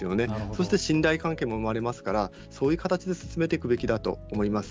そして信頼関係も生まれますからそういう形で進めていくべきだと思います。